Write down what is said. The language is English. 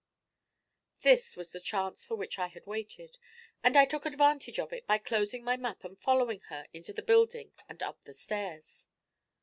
This was the chance for which I had waited, and I took advantage of it by closing my map and following her into the building and up the stairs.